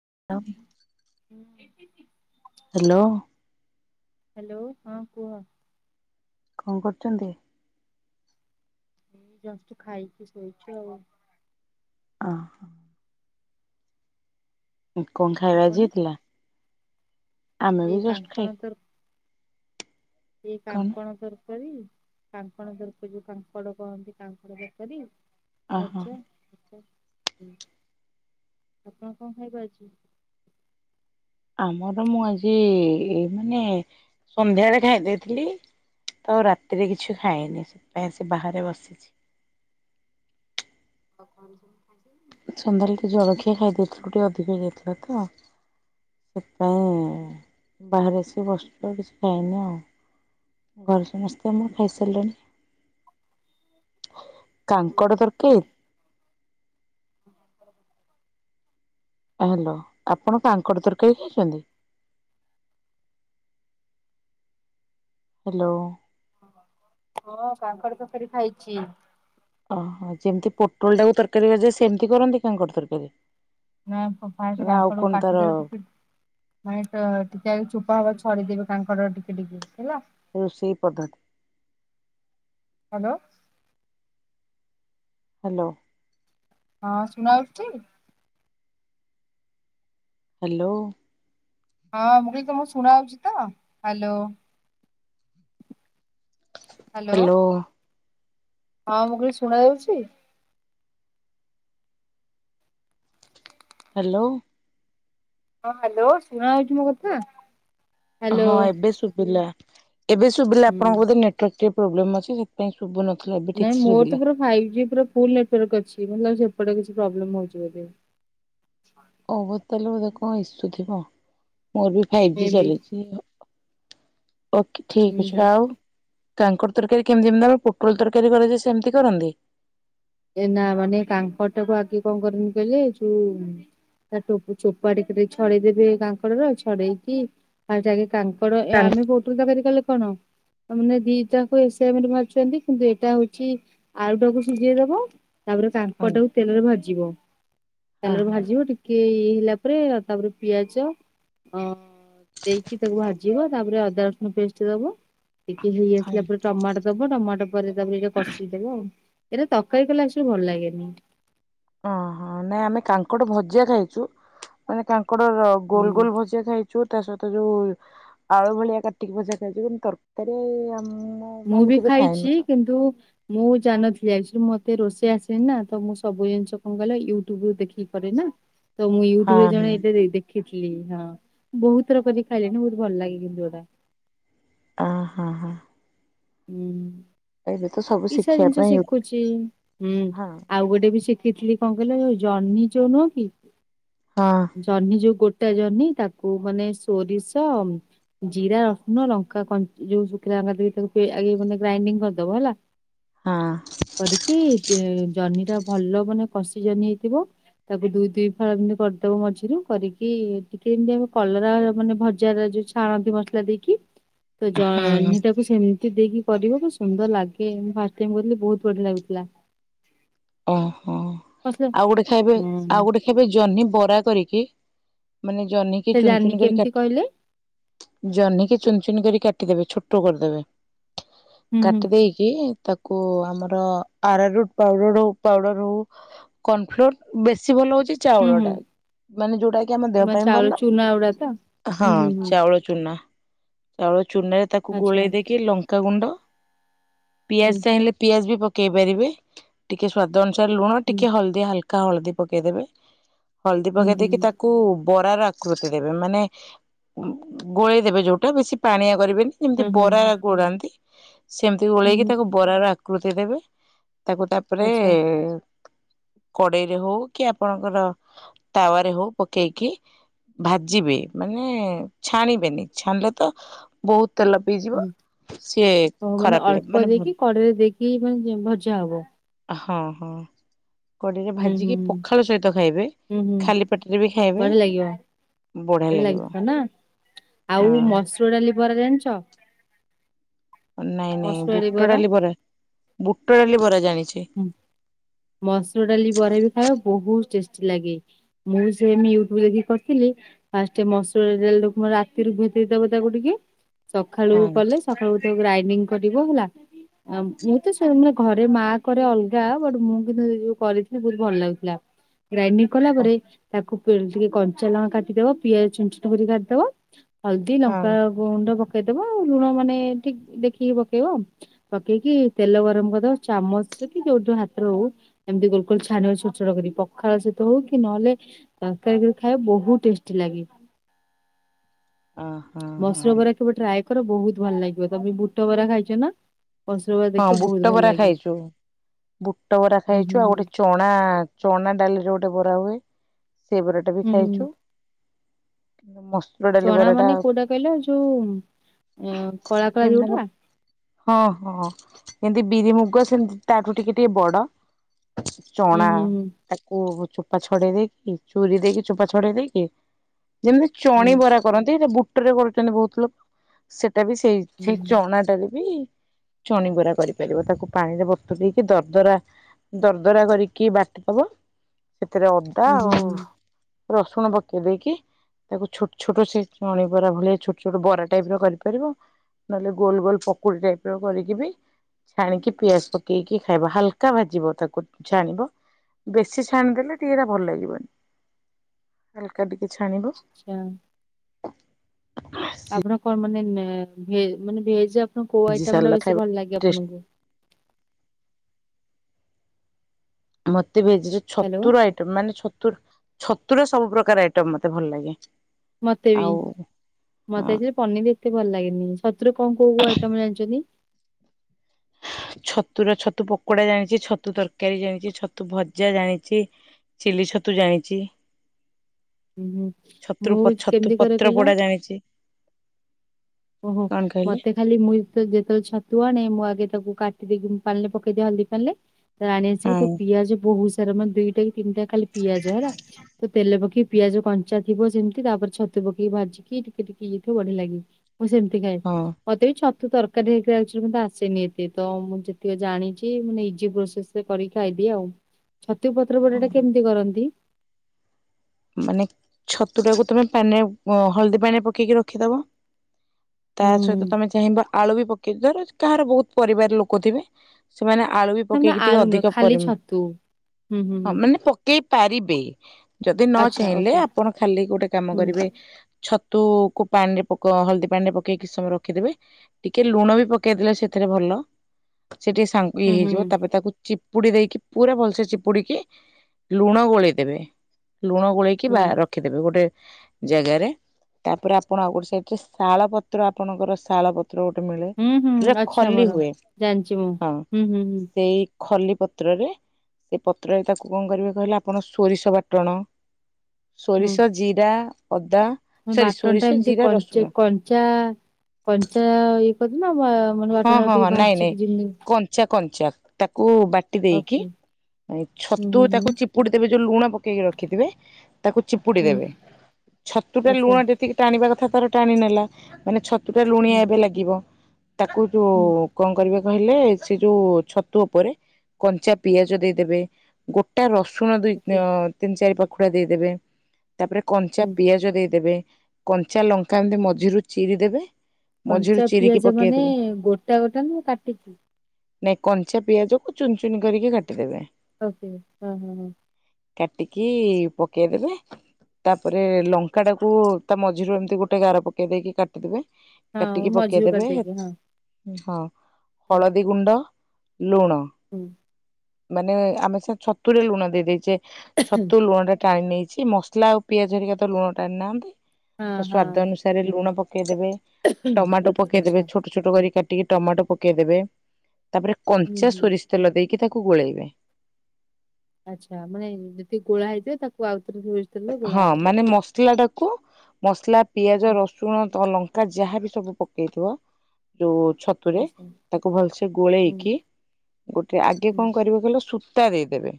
[inaudible] Hello. Hello ହଁ କୁହ। କଣ କରୁଚନ୍ତି? [inaudible] ଖାଇକି ଶୋଇଛୁ ଆଉ। ଅ ହ। କଣ ଖାଇବା ଆଜି ଆପଣ? ହେଇଥିଲା? ଆମେ ବି ଯଷ୍ଟ ଖାଇ ଏଇ କଣ କାଙ୍କଣ ତର କାରି କାଙ୍କଡ ତରକାରି ଯୋଉ କାଙ୍କଡ କହନ୍ତି କାଙ୍କଡ ତରକାରୀ ଓହୋ ଭଜା ହ ଆପଣ କଣ ଖାଇବ ଆଜି? ଆମର ମୁଁ ଆଜି-ଇ-ଇ-ଇ ମାନେ ସନ୍ଧ୍ୟାବେଳେ ଖାଇ ଦେଇଥିଲି, ତ ରାତିରେ କିଛି ଖାଏନି। ସେଥିପାଇଁ ବାହାରେ ବସିଛି। ଆଉ କଣ ସବୁ ଖାଇଛ। ସନ୍ଧ୍ୟାବେଳେ ଟିକେ ଜଳଖିଆ ଖାଇ ଦେଇଥିଲୁ ଟିକେ ଅଧିକ ହେଇଯାଇଥିଲା ତ, ସେଥିପାଇଁ ବାହାରେ ଆସିକି ବସିଛୁ କିଛି ଖାଇନି ଆଉ। ଘରେ ସମସ୍ତେ ଆମର ଖାଇସାରିଲେଣିି। କାଙ୍କଡ ତରକାରୀ? ହ୍ୟାଲୋ, ଆପଣ କାଙ୍କଡ ତରକାରୀ ଖାଇଛନ୍ତି? ହ୍ୟାଲୋ ହଁ କାଙ୍କଡ ତରକାରୀ ଖାଇଛି। ଓହୋ ଯେମିତି ପୋଟଳଟାକୁ ତରକାରୀ କରାଯାଏ ସେମିତି କରନ୍ତି କାଙ୍କଡ ତରକାରୀ? ନା ଫାଷ୍ଟ ସେ ନା ଆଉ କାଙ୍କଡ଼କୁ କଣ ତାର କାଟି ଦେଇ ଟିକେ ମାନେ ଟିକେ ଚୁପା ଖଡିଦେବେ କାଙ୍କଡ଼ ଟିକେ ଟିକେ ହେଲା। ରୋଷେଇ ପଦ୍ଧତି ହ୍ୟାଲୋ ହ୍ୟାଲୋ ହଁ ଶୁଣା ଯାଉଛି? ହାଲୋ ହଁ ମୁଁ କହିଲି ତମକୁ ଶୁଣା ଯାଉଛି ତ? ହାଲୋ ହ୍ୟାଲୋ ହଁ ମୁଁ କହିଲି ଶୁଣା ଯାଉଛି। ହ୍ୟାଲୋ ହଁ ହ୍ୟାଲୋ ଶୁଣା ଯାଉଚି ମୋ କଥା। ହ୍ୟାଲୋ ହଁ ଏବେ ଶୁଭିଲା। ଏବେ ଶୁବିଲା ହୁଁ। ଆପଣଙ୍କ ବୋଧେ ନେଟୱାର୍କ ଟି ପ୍ରୋବ୍ଲେମ୍ ଅଛି ସେଥିପାଇଁ ଶୁବୁନ ନାଇଁ ମୋର ତ ପୁରା ଫାଇଫ ଜି ପୁରା ଫୁଲ ନେଟୱର୍କ ଅଛି। ମୋତେ ଲାଗୁଛି ଏପଟେ କିଛି ପ୍ରୋବ୍ଲେମ ହଉଛି ବୋଧେ। ଓ ହୋ ତାହେଲେ ବୋଧେ କଣ ଇସୁ ଥିବ। ମୋର ବି ଫାଇଭ୍ ମେ ଜି ବି ଚାଲିଛି। ଓକେ ଠିକ ହୁଁ ଅଛି ହୁଁ ଆଉ କାଙ୍କଡ ତରକାରୀ କେମିତି ଏମିତି ଦ ପୋଟଲ ତରକାରୀ କରାଯାଏ ସେମିତି କରନ୍ତି? ଏ ନା ମାନେ କାଙ୍କଡ଼ ଟାକୁ ଆଗେ କଣ କରନ୍ତି କହିଲେ ଯୋଉ ତା ଟୋ ଚୋପା ଟିକେ ଟିକେ ଛଡେଇଦେବେ କାଙ୍କଡର ଛଡେଇକି ଫାଷ୍ଟ ଆଗେ କାଙ୍କ ଙ୍କଡ଼ କାଙ୍କ ଆମେ ପୋଟଳ ତରକାରୀ କଲେ କଣ ମାନେ ଦିଟାକୁ ଏସ ଏମ ଏଇ ବାରୁଛନ୍ତି କିନ୍ତୁ ଏଇଟା ହଉଛି ଆଳୁଟାକୁ ସିଝେଇ ଦବ ତାପରେ ହଁ କାଙ୍କଟାକୁ ତେଲରେ ଭଜା ଯିବ ହଁ ତେଲରେ ହଁ ଭାଜିବ ଟିକେ ଜିଲା ପରେ ତାପରେ ପିଆଜ ଅ ଦେଇକି ତାକୁୁ ଭାଜି ଜିବ ତାପରେ ଅଦା ରସୁଣ ପେଷ୍ଟ ଦବ ଟିକେ ହେଇ ଆସିଲା ହଁ। ପରେ ଟମାଟୋ ଦବ ଟମାଟୋ ପରେ ତାପରେ ଏଟା କଷିଦବ ଆଉ। ଏଇଟା ତ ରକାରୀ କଲେ ଆକ୍ଚୁଆଲି ଭଲ ଲାଗେନି। ଓହୋ ନାଇଁ ଆମେ କାଙ୍କଡ ଭଜା ଖାଇଛୁ। ମାନେ କାଙ୍କ ଙ୍କଡ଼ ଗୋଲ ହୁଁ ଗୋଲ ଭଜା ଖାଇଛୁ। ତା ସହିତ ତ ଯୋଉ ଆଳୁ ଭଳିଆ କାଟିକି ଭଜା ଖାଇଚୁ କିନ୍ତୁ ତରକାରୀ ଆମ ମୁଁ ମୁଁ ବି ଖାଇଛି କିନ୍ତୁ ମୁଁ ଜାଣନଥିଲି ଆଜି ମୁଁ କହିଲି ମତେ ରୋଷେଇ ଆସେନି ନା ତ ମୁଁ ସବୁ ଜିନିଷ କଣ କହିଲ ୟୁଟ୍ୟୁବ ରୁ ଦେଖିକି କରେ ନା। ତ ମୁଁ ହଁ ୟୁଟ୍ୟୁବରେ ହଁ ଜଣ ଏବେ ଦେଖି ଶିଖିଲି ହଁ ବହୁତଥର କରି ଖାଇଲେଣି ବହୁତ ଭଲ ଲାଗେ କିନ୍ତ ଏଟା। ଅ ହଁ ହଁ। ଉଁ ହୁଁ। ଏବେ ତ ସବୁ କିଛିଟା ଶିଖିବା ଜିନିଷ ପାଇଁ ଶିଖୁଛି ହୁଁ ହଁ ଆଉ ଗୋଟେ ବି ଶିଖୁ ଶିଖିଥିଲି କଣ କହିଲ ଜହ୍ନି ଯୋଉ ନୁହଁ କି? ହଁ ଜହ୍ନି ଯୋଉ ଗୋଟେ ଟା ଜହ୍ନି ତାକୁ ମାନେ ସୋରିଷ, ଜିରା, ରସୁଣ, ଲଙ୍କା କ ଯୋଉ ଶୁଖିଲା ଲଙ୍କା ଦେଇକି ତାକୁ ପେ ଆଗେ ମାନେ ଗ୍ରାଇଣ୍ଡିଙ୍ଗ କରିଦବ ହେଲା। ହଁ। କରିକି ଜହ୍ନି ଟା ଭଲ ମାନେ କଷି ଜହ୍ନି ହେଇଥିବ ତାକୁ ଦୁଇ ଦି ଫାଳ ଏମତି କରିଦବ ମଝିରୁ କରିକି ଟିକେ ଏମିତି ଆମେ କଲରା ମାନେ ଭଜାର ଯୋଉ ଛାଣନ୍ତି ମସଲା ଦେଇକି ତ ହୁଁ। ଜହ୍ନି ଟାକୁ ସେମ ଦେଇକି କରିବ କି ସୁନ୍ଦର ଲାଗି କି ମୁଁ ଫାଷ୍ଟଟାଇମ୍ କରିଥିଲି ବହୁତ ବଢିଆ ଲାଗୁଥିଲା। ଓହୋ। ମସଲା ଆଉ ଗୋଟେ ଖାଇବେ ହୁଁ ଆଉ ଗୋଟେ ଖାଇବେ ଜହ୍ନି ବରା କରିକି ମାନେ ଜହ୍ନିିକି ସେ ଜାଣିନି ଚୁନଚୁନ କରିକି କେମିତି କହିଲେ କାଟିକି ଜହ୍ନିକି ଚୁନଚୁନ କରି କାଟିଦେବେ ଛୋଟ ଟ କରିଦେବେ ହୁଁ ହୁଁ କାଟି ଦେଇକି ତା କୁ ଆମର ଆରାରୁଟ ପାଉଡର ପାଉଡର ହଉ କର୍ଣଫ୍ଲୋର ବେଶୀ ଭଲ ହଉଛି ସେ ହୁଁ ହୁଁ। ଚାଉଳଟା ମାନେ ଯୋଉଟା କି ଆମ ଦେହ ମାନେ ପାଇଁ ଚାଉଳ ଭଲ ଚୁନା ଗୁଡା ତ ହଁ ହୁଁ ହୁଁ ହୁଁ। ଚାଉଳ ଚୁନା ଚାଉଳ ଚୁନାରେ ତାକୁ ଆଚ୍ଛା ଗୋଳେଇ ଦେଇକି ଲଙ୍କା ଙ୍କା ଗୁଣ୍ଡ ପିଆଜ ହୁଁ ଚାହିଁଲେ ପିଆଜ ବି ପ ଦେଇ ପାରିବେ ଟିକେ ଟିକେ ସ୍ୱାଦ ଅନୁ ଚାର ଲୁଣ ହୁଁ ଟିକେ ହଲଦୀ ହଲକା କା ହଳଦୀ ପକେଇଦେବେ। ହଳଦୀ ହୁଁ ପକେଇ ହୁଁ ଦେଇକି ତାକୁ ବରାର ଆକୃତି ଦେବେ ମାନେ ଗୋଳେଇ ଦେବେ ଯୋଉଟା ବେଶୀ ପାଣିଆ କରିବେନି ଯେମିତି ହଁ ହଁ ବରା ହଁ ଗୋଲାନ୍ତି। ସେମିତି ହୁଁ ଗୋଳେଇକି ହୁଁ ତାକୁ ବରାର ଆକୃତି ଗୋଧେଇ ଦେବେ ତାକୁ ତାପରେ ଆଚ୍ଛା ଏ ଏ କଡେଇରେ ହଉ କି ଆପଣଙ୍କର ତାୱାରେ ହଉ ପକେଇକି ଭାଜିବେ ମାନେ ଛାଣିବେନି ଛାଣିଲେ ତ ବହୁତ ତେଲ ପିଇଯିବ ହୁଁ ସିଏ ହ ମାନେ ଖରାପ ଲେ ଅଳ୍ପ ଭଲ ଦେଇକି କଡରେ ଦେଇକି ମାନେ ଯି ଭଜା ହବ। ହଁ ହଁ। କଡିରେ ହୁଁ ହୁଁ ଭାଜିକି ହୁଁ ପଖାଳ ସହିତ ଖାଇବେ ହୁଁ ହୁଁ ଖାଲି ପେଟରେ ବି ଖାଇବେ ବଢ଼ିଆ ଲାଗିବ ଭଲ ଲାଗିବ ନା ଆଉ ହଁ ମସୁର ଡାଲି ଵରା ଜାଣିଛ? ନାଇଁ ନାଇଁ ମସୁର ବୁଟ ବରା ଡାଲି ଵରା ଵୁଟ ଟୋଟଲି ଭରାାଣିଛି। ହୁଁ ମସୁର ଡାଲି ବରା ବି ଖାଇବା ବହୁତ ଟେଷ୍ଟି ଲାଗେ ମୁଁ ସେମ୍ ୟୁଟ୍ୟୁବରେ ଦେଖି କରିଥିଲିସ ଫାର୍ଷ୍ଟ ମସୁର ଡ଼ାଲି ରାତିରୁ ଭିଯେଇ ଦଵ ତାକୁ ଟିକେ। ସକାଳୁ ହଁ କଲେ ସକାଳୁକୁାଇ ଙ୍କଟିବ ହେଲା ମୁଁ ତ ମାନେ ଘରେ ମା କ ଅଲଗା ବଟ୍ ମୁଁ କିନ୍ତୁ ଦିନେଯୋଉ କରିଥିଲି ବହୁତ ଭଲ ଲାଗୁଥିଲା। ଗ୍ରାଇଣ୍ଡିଙ୍ଗ କଲା ଓ ପରେ ତାକୁ ଟିକେ କଞ୍ଚା ଲଙ୍କା କାଟିଦବା ପିଆଜ ଜୁନ୍ ଛୁନ୍ କରି କାଟିଦବା ହଳଦି ଲଙ୍କ ହଁ ଗୁଣ୍ଡ ପ ପକେଇଦବା ଆଉ ଲୁଣ ମାନେ ଠିକ ଦେଖିକି ପକେଇବ ପକେଇକି ତେଲ ଗରମ କରିଦବ ଚାମଚ ଆସ ଯୋଉଠୁ ହାତରେ ହଉ ଏମିତି ଗୋଲ ଗୋଲ ଛାଣିବା ଛୋଟ ଛୋଟ କର ପଖାଳ ସହିତ ହଉ କି ନହେଲେ ତରକାରୀ କରି ଖାଇବା ବହୁତ ଟେଷ୍ଟି ଲାଗେ। ଅ ହଁ ହଁ ମସୁର ବରା କେବେ ଟ୍ରାଏ ତାଙ୍କର ବହୁତ ଭଲ ଲାଗିବ ତମେ ବୁଟ ବରା ଖାଇଛ ନା? ମସୁର ବରା ହଁ ଦେଖିବ ବହୁତ ବୁଟ ଭଲ ବରା ଲାଗେ ଖାଇଛୁ। ବୁଟ ବରା ହୁଁ ହୁଁ ଖାଇଛୁ ଆଉ ହୁଁ। ଗୋଟେ ଚଣା ଚଣା ଡାଲିରେ ଗୋଟେ ବରା ହୁଏ [inaudible] ସେ ବରାଟା ବି ହୁଁ ହୁଁ ଖାଇଛୁ ମସୁର ଡାଲି ଚଣା ବରାଟା ମାନେ କୋଉଟା କହିଲ ଯୋଉ ଅଁ କଳା କଳା ଯେମିତିମ ଯୋଉଟା ହଁ ହଁ। ଏମତି ବିରି ମୁୁଗ ସେମିତି ତାଠୁ ଟିକେ ଟିକେ ବଡ। ହୁଁ ଚଣା ହୁଁ ତାକୁ ଚୋ ଚୋପା ଛଡେଇ ଦେଇକି ଚୁରିୀ ଦେଇକି ଚୋପା ଛଡେଇ ଦେଇକି। ଯେମିତି ହୁଁ ଚଣିବରା କରନ୍ତି ବୁ ବହୁତ ଲୋକ ସେ ଟା ବି ସେଇ ହୁଁ ସେଇ ଚଣାଟାରେ ବି ଚଣିବରା କରିପାରିବ ତାକୁ ପାଣିରେ ବତୁରେଇକି ଦରଦରା ଦରଦରା କରିକି ବାଟିଦବ। ସେଥିରେ ଅଦା ହୁଁ ହୁଁ ହୁଁ ଆଉ ହୁଁ ରସୁଣ ପକେଇ ଦେଇକି ତାକୁ ଛୋଟ ଛୋଟ ସେ ଚଣିବରା ଭଳିଆ ଛୋଟ ଛୋଟ ବରା ଟାଇପ ର କରିପାରିବ ନହେଲେ ଗୋଲ ଗୋଲ ପକୁଡି ଟାଇପ ର କରିକି ବି ଛାଣିକି ପିଆଜ ପକେଇକି ଖାଇବ ହାଲକା ଭାଜିବ ତାକୁ ଛାଣିଵ ବେଶୀ ଛାଣିଦେଲେ ଟିକେ ଟ ଭଲ ଲାଗିବନି ଟ କିଛି ଛାଣିବ। ଆଚ୍ଛା ଆପଣ କଣ ମାନେ ଭେ ମାନେ ଭେଜ୍ କୋଉ ସିଝି ଆଇଟମ୍ ଟା ସାରିଲା ବେଶୀ ଖାଇବ ଭଲ ଲାଗେ ଟେଷ୍ଟ ଆପଣଙ୍କୁ? [unintelligible] ଭେଜି ହ୍ୟାଲୋ ଛତୁର ଆଇଟମ୍ ମାନେ ଛତୁର ଛତୁୁର ସବୁ ପ୍ରକାର ଆଇଟମ ମତେ ଭଲ ଲାଗେ। ମତେ ବି ଆଉ ମତେ ଏ ପନିର ଏତେ ଭଲ ଲାଗେନି ଛତୁର କଣ କୋଉ କୋଉ ଆଇଟମ ଜାଣିଛନ୍ତି? ଛତୁର ଛତୁ ପକୋଡା ଜାଣିଛି ଛତୁ ତରକାରୀ ଜାଣିଛି ଛତୁ ଭଜା ଜାଣିଛି ଚିଲି ଛତୁ ଜାଣିଛି। ହୁଁ ହୁଁ ଛତୁ ମୁଁ ହଉଛି ଛତୁ କେମିତି କରେ ପତ୍ର କହିଲ। ପୋଡା ଜାଣିଛି ଓହୋ କଣ କହିଲେ ମତେ ଖାଲି ମୁଇ ତ ଯେତେବେଳେ ଛତୁଆଣେ ମୁଁ ଆଗେ ତାକୁ କାଟିଦେଇକି ମୁଁ ପାଣିରେ ପକେଇଦିଅ ହଳଦୀ ପାଣିିରେ। ତତେ ଆଣିଆସି ତୁ ହଁ ପିଆଜ ବହୁ ଏଇରକମ ଦୁଇଟା କି ତିନିଟା ଖାଲି ପିଆଜ ହେଲା, ତ ତେଲ ପକେଇି ପିଆଜ କଞ୍ଚା ଥିବ ସେମିତି ତାପରେ ଛତୁ ପକେଇକି ଭାଜି କି ଟିକେ ଟିକେ ହେଇଥିବ ବଢିଆ ଲାଗିବ। ମୁଁ ସେମିତି ଖାଏ ହଁ ମତେ ବି ଛ ତୁ ତରକାରୀ ନେଇକି ଆସିବୁନା ଆସେନି ଏତେ ତ ମୁଁ ଯେତିକି ଜାଣିଛି ମୁଁ ନିଜେ ପ୍ରସ୍ତୁତ କରିକି ଖାଇଦିଏ ଆଉ। ଛତୁ ପତ୍ର ପୋଡ଼ାଟା କେମିତି କରନ୍ତି? ମାନେ ଛତୁ ଟାକୁ ତୁମେ ପାଣିରେ ହଳଦୀ ପାଣିରେ ପକେଇକି ରଖିଦବ ତା ହୁଁ ସହିତ ତମେ ଚାହିଁବ ଆଳୁ ବି ପକ କିଧରଜ କାହାର ବହୁତ ପରିବାର ଲୋକ ଥିବେ ସେମାନେ ଆଳୁ ବି ନା ମାନେ ପକେଇକି ଟିକେ ଆଳୁ ନୁହଁ ଅଧିକ ଖାଲି ପରିମାଣ ଛତୁ। ହୁଁ ହୁଁ ହଁ ହୁଁ। ମାନେ ପକେଇ ପାରିବେ। ଯଦି ନ ଆଚ୍ଛା ଚାହିଁଲେ ଓକେ ଆପଣ ଖାଲି ଗୋଟେ କାମ ହୁଁ କରିବେ ଛ ତୁ କୁ ପାଣିରେ ପକ ହଳଦୀ ପାଣିରେ ପକେଇକି କିଛି ସମୟ ରଖିଦେବେ ଟିକେ ଲୁଣ ବି ପକେଇଦେଲେ ସେଥିରେ ଭଲ। ସେ ଟିକେ ସାଙ୍ଗୁ ଇଏ ହୁଁ ହୁଁ ହେଇଯିବ ତାପରେ ତାକୁ ଚି ଚିପୁଡି ଦେଇକି ପୁରା ଭଲସେ ଚିପୁଡିକି ଲୁଣ ଗୋଳେଇଦେବେ। ଲୁଣ ଗୋଳେଇକି ବା ହୁଁ। ରଖିଦେବେ ଗୋଟେ ଜାଗାରେ ତାପରେ ଆପଣ ଆଉ ଗୋଟେ ସାଇଟରେ ଶାଳ ପତ୍ର ଆପଣଙ୍କର ଶାଳ ପତ୍ର ଗୋଟେ ମିଳେ। ହୁଁ ହୁଁ ଯୋଉଟା ଆଚ୍ଛା ଖଲି ମର ହୁଏ ଜାଣିଛି ମୁଁ ହଁ ହୁଁ ହୁଁ ହୁଁ। ସେଇ ଖଲି ପତ୍ରରେ ସେ ପତ୍ରରେ ତାକୁ କଣ କରିବେ କହିଲେ ଆପଣ ସୋରିଷ ବାଟ ଫୁଟଣ। ସୋରିଷ ଜିରା ଅଦା ହଁ ସରି ସୋରିଷ ବାଟଣଟା ଏମିତି ଜିରା ରସୁଣ କଞ୍ଚି କଞ୍ଚା କଞ୍ଚାଇ ନା ବା ମାନେ ହଁ ବାଟଣ ହଁ ଟିକେ ହଁ ନାଇଁ ନାଇଁ ଭାଜିକି ଯେମିତି କଞ୍ଚା କଞ୍ଚା ଟା କୁ ବାଟି ଦେଇକି ଓକେ ହୁଁ ଛତୁ ହୁଁ ହୁଁ ତାକୁ ଚିପୁଡି ଦେବେ ଯୋଉ ଲୁଣ ପ ପକେଇକି ରଖିଥିବେ। ତାକୁ ଚିପୁଡ଼ି ହୁଁ ଦେବେ ଛତୁ ଟା ଆଚ୍ଛା ଲୁଣ ଯେତିକି ଟାଣିବା କଥା ତାପରେ ଟାଣି ନେଲା ମାନେ ଲୁଣିଆ ହୁଁ ଏବେ ଲାଗିବ। ତାକୁ ଯୋଉ ହୁଁ କଣ କରିବା କହିଲେ ସେ ଯୋଉ ଛତୁ ଉପରେ କଞ୍ଚା ପିଆଜ ଦେଇଦେବେ ଗୋଟା ର ଶୁଣ ଦୁଇ ଓକେ ତିନି ଚାରି ପାଖ ଉଖୁଡା ଦେଇ ଦେବେ। ତାପରେ କଞ୍ଚା ହୁଁ ପିଆଜ ଦେଇ ଦେବେ। କଞ୍ଚା ଲଙ୍କା ଏମିତି ମଝିରୁ ଚିରି ଦେବେ। ମଝିରୁ କଞ୍ଚା ଚିରିିକି ପ ପିଆଜ ମାନେ ଗୋଟା ଗୋଟା ନା କାଟିକି? ନାଇଁ କଞ୍ଚା ପିଆଜକୁ ଚୁନ ଚୁନ କରିକି କାଟିଦେବେ। ଓକେ ହୁଁ ହଁ ହଁ। କାଟିକି ପକେଇ ଦେବେ ତାପରେ ଲଙ୍କାଟାକୁ ତା ମଝିରୁ ଏମିତି ଗୋଟେ ଗାର ପକେଇ ଦେଇକି କାଟିଦେବେ। ହଉ କାଟିକି ମଝିରୁ ପକେଇଦେବେ କାଟି ଦେଇକି ହଁ। ହଁ। ହୁଁ ହଳଦୀ ଗୁଣ୍ଡ। ଲୁଣ। ହୁଁ ମାନେ ଆମେ ସେ ଛତୁରେ ଲୁଣ ଦେଇ ଦେଇଚେ। ଛତୁ ଲୁଅଣଟା ଟାଣି ନେଇଛି ମସଲା ଆଉ ପିଆଜ ଧରିକା ତ ଲୁଣ ଟାଣିନାହାନ୍ତି। ହଁ ତ ସ୍ଵାଦ ହଁ ଅନୁସାରେ ଲୁଣ ପକ ପକେଇଦେବେ ଟମାଟୋ ଆଚ୍ଛା ପକେଇଦେବେ। ଛୋଟ ଛୋଟ କର କାଟିକି ଟମାଟୋ ପକେଇଦେବେ। ତାପରେ ହୁଁ କଞ୍ଚା ହୁଁ ସୋରିଷ ତେଲ ଦେଇକି କି ତାକୁ ଗୋଳେଇବେ। ଆଚ୍ଛା ମାନେ ଯଦକି ଗୋଳା ହେଇଥିବ ତାକୁ ଆଉ ହଁ ମାନେ ମସଲା ଟା କୁ ମସଲା ପିଆଜ ହୁଁ ରସୁଣ ତଲଙ୍କ ଯାହାବି ସବୁ ପକେଇଥିବ ଯୋଉ ଛତୁରେ ଆଚ୍ଛା ତାକୁ ଭଲସେ ହୁଁ ଗୋଳେଇକି ଗୋଟେ ଆଗେ ହୁଁ କଣ କରିବ କହିଲ ସୁ ତା ଦେଇଦେବେ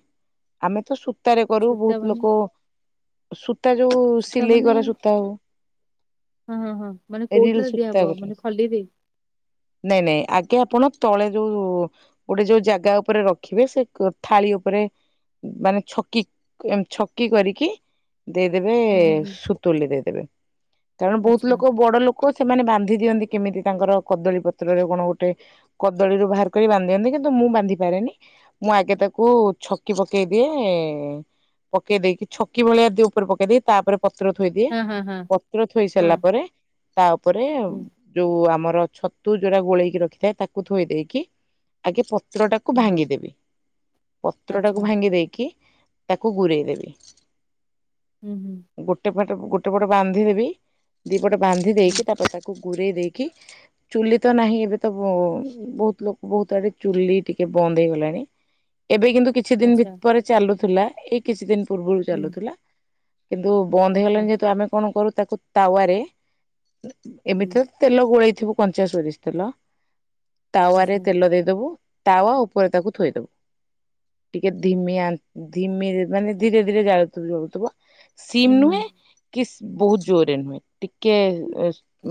ଆମେ ତ ତରେ କରୁ ସୂତା ବହୁତ ମାନେ ଲୋକ [inaudible] ସୂତା ଯୋଉ ସୂତା ସିଲେଇ ମାନେ କର ସୂତା ହଉ। ହଁ ହଁ ହଁ ମାନେ ରିଲ କୋଉଠିରେ ସୂତା ଦିଆହବ ଗୋଟେ ମାନେ ଖଲୀରେ? ନାଇଁ ନାଇଁ ଆଗେ ଆପଣ ତଳେ ଯୋଉ ଗୋଟେ ଯୋଉ ଜାଗା ଉପରେ ରଖିବେ ସେ ଥାଳି ଉପରେ ମାନେ ଛକି ଛକି କରିକି। ଦେଇଦେବେ ହୁଁ ହୁଁ ହୁଁ ସୁତୁଲୀରେ ଦେଇଦେବେ। କାରଣ ବହୁତ ଆଚ୍ଛା ଲୋକ ବଡ ଲୋକ ସେମାନେ ବାନ୍ଧି। ଦିଅନ୍ତି କେମିତି ତାଙ୍କର କଦଳୀ ପତ୍ରରେ କଣ ଗୋଟେ କଦଳୀରୁୁ ବାହାର କରି ବାନ୍ଧିଅନ୍ତି କିନ୍ତୁ ମୁଁ ବାନ୍ଧି ପାରେନି ମୁଁ ଆଗେ ତାକୁ ଛକି ପକେଇ ଦିଏ ପକେଇ ଦେଇକି ଛକ। କି ଭଳିଆ ଦି ଉପରେ ପକେଇଦି ତାପରେ ପତ୍ର ଥୋଇଦିଏ ହଁ ହଁ ହଁ ପତ୍ର ଥୋଇ ହଁ ସାରିଲା ପରେ ତା ଉପରେ ହୁଁ ଯୋଉ ଆମର ଛତୁ ଯୋଉଟା ଗୋଳେଇକି ରଖିଥାଏ ତାକୁ ଥୋଇ ଦେଇେଇକି ଆଗେ [unintelligible] ହୁଁ ହୁଁ ଭାଙ୍ଗିଦେବି। ପତ୍ର ଆଚ୍ଛା ଟାକୁ ଭାଙ୍ଗି ଦେଇକି। ତାକୁ ଗୁରେଇ ଦେବି। ହୁଁ ହୁଁ। ଗୋଟେ ପଟ ଗୋଟେ ପଟେ ବାନ୍ଧିଦେବି ଦେବି। ଗୋଟେ ବାନ୍ଧି ହୁଁ ଦେଇକି ତାପରେ ତାକୁ ଗୁରେଇ ଦେଇକି। କି ଚୁଲି ତ ନାହିଁ ଏବେ ତ ବହୁତ ଲୋକ ବହୁତ ଆଡେ ଚୁଲି ଟିକେ ବନ୍ଦ ହେଇଗଲାଣି। ଏବେ କିନ୍ତୁ କିଛି ଦିନ ଆଚ୍ଛା ଭରେ ଚାଲୁଥିଲା। ଏଇ କିଛି ଦିନ୍। ହୁଁ [unintelligible] ହେଲା କିନ୍ତୁ ବନ୍ଦ ଆଚ୍ଛା ହେଇଗଲାଣି ଯେହେତୁ ଆମେ କଣ କରୁ ତାକୁ ତାୱାରେ ହୁଁ ଏମିତିରେ ତେଲ ଗୋଳେଇ ରଖିବୁ କଞ୍ଚା ସୋରିଷ ତେଲ ତାୱାରେ ଆଚ୍ଛା ତେଲ ଦେଇଦବୁ ତାୱା ଉପରେ ତାକୁ ଥୋଇଦବୁ। ଟିକେ ଧିମି ଆନ ଧିମିରେ ମାନେ ଧୀରେ ଧୀରେ ଜାଳୁ ଚୁଲି ଜଳୁଥିବ ସିମ୍ ହୁଁ ହୁଁ ନୁହେଁ କି ବହୁତ ଜୋରରେ ନୁହେଁ। ଟିକେ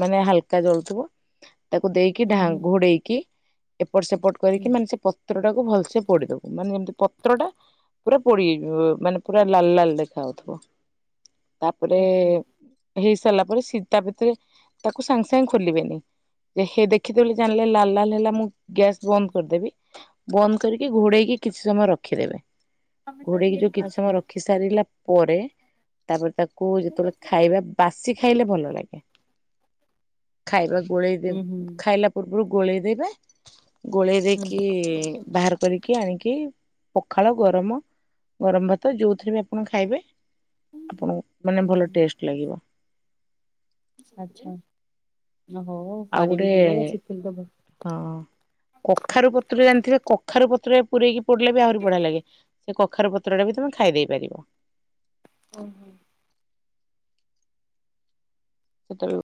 ମାନେ ହାଲ୍ କା ଜଳୁଥିବ ତାକୁ ଦେଇକି ହୁଁ ହୁଁ ଢାଙ୍କ ଘୋଡେଇକି ଏପଟ ସେପଟ ହୁଁ କରିକି ମାନେ ସେ ପ ପତ୍ରଟାକୁ ଭଲସେ ପୋଡିଦବୁ। ମାନେ ଯେମିତି ପତ୍ରଟା ପୁରା ପୋଡିଯିବ ମାନେ ପୁରା ଲାଲ ଲାଲ ଦେଖା ହାଉଥିବ। ତାପରେ ଆଚ୍ଛା ହେଇ ସାରିଲା ପରେ ସିଏ ତା ଭିତରେ ତାକୁ ସାଙ୍ଗେ ସାଙ୍ଗେ ଖୋଲିବେନି ହେ ଦେଖିଥିବେ ବୋଲି ଜାଣିଲେ ଲାଲ ଲାଲ ହେଲା ମୁଁ ଗ୍ୟାସ୍ ବନ୍ଦ କରିଦେବି ବନ୍ଦ କରିକି ଘୋଡେଇକି କିଛି ସମୟ ରଖିଦେବେ। ଆମେ ତ ଘୋଡେଇକି ରିଏଲ ଯୋଉ କିଛି ସମୟ ଆଚ୍ଛା ରଖି ସାରିଲା ପରେ ତାପରେ ତାକୁ କୁ ଯେତେବେଳେ ଖାଇବା ବାସି ଖାଇଲେ ଭଲ ଲାଗେ। ଖାଇବା ଗୋଳେଇ ଦିଏ ହୁଁ ହୁଁ ଖାଇଲା ପୂର୍ବରୁ ଗୋଳେଇ ଦେବେ ଗୋଳେଇ ହୁଁ ଦେଇକି ବାହାର କରି କରିକି ଆଣିକି ପଖାଳ ଗରମ ଗରମ ଭାତ ଯୋଉଥିରେ ବି ଆପଣ ଖାଇବେ ଆପଣଙ୍କୁ ମାନେ ହୁଁ ଭଲ ହୁଁ ଟେଷ୍ଟ ଲାଗିବ। ଆଚ୍ଛା। ଓହୋ। ଆଉ ଗୋଟେ କାଢ଼ିବି କେବେ ଶିଖିଲି ତ କଖାରୁ ପତ୍ରରେ ଜାଣିଥିବେ କଖାରୁ ପତ୍ରରେ ପୁରେଇକି ପୋଡ଼ିଲେ ବି ଆହୁରି ବଢିଆ ଲାଗେ। ସେ କଖାର ପତ୍ର ଟା ବି ତମେ ଖାଇ ଦେଇେଇ ପାରିବ। ଓ ହୋ ସେଟେବି ଗୋଟେ।